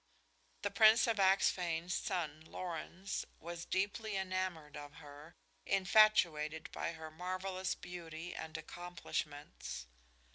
The Prince of Axphain's son, Lorenz, was deeply enamoured of her, infatuated by her marvelous beauty and accomplishments.